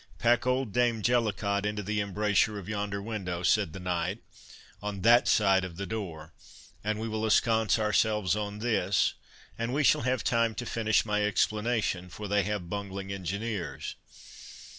Pack old Dame Jellicot into the embrasure of yonder window," said the knight, "on that side of the door, and we will ensconce ourselves on this, and we shall have time to finish my explanation, for they have bungling engineers.